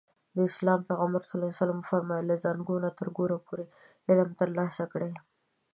د اسلام پيغمبر ص وفرمايل له زانګو نه تر ګوره پورې علم ترلاسه کړئ.